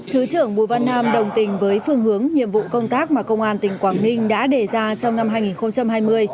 thứ trưởng bùi văn nam đồng tình với phương hướng nhiệm vụ công tác mà công an tỉnh quảng ninh đã đề ra trong năm hai nghìn hai mươi